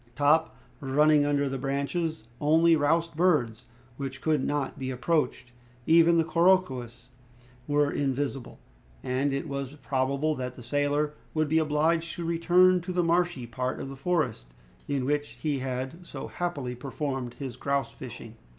Top, running under the branches, only roused birds which could not be approached. Even the couroucous were invisible, and it was probable that the sailor would be obliged to return to the marshy part of the forest, in which he had so happily performed his grouse fishing.